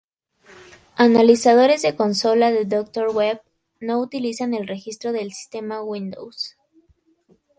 Analizadores de consola de Dr. Web no utilizan el Registro del sistema Windows.